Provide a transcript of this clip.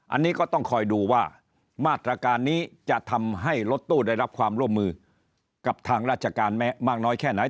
อันนี้ก็ต้องคอยดูว่ามาตรการนี้จะทำให้รถตู้ได้รับความร่วมมือกับทางราชการมากน้อยแค่ไหน